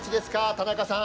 田中さん。